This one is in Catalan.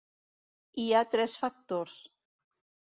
Hi ha tres factors.